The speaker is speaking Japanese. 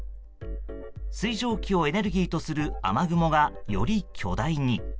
水蒸気をエネルギーとする雨雲がより巨大に。